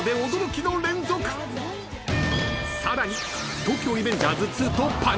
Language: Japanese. ［さらに］